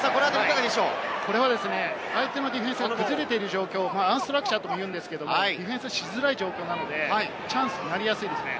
これは相手のディフェンスが崩れている状況、アンストラクチャーとも言うんですが、ディフェンスしづらい状況なので、チャンスになりやすいですね。